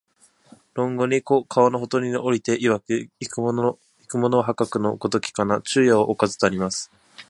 論語に、「子、川のほとりに在りていわく、逝く者はかくの如きかな、昼夜をおかず」とあります